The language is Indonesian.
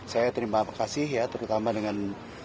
saya terima kasih ya terutama dengan